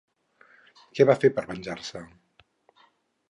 Què va fer per venjar-se?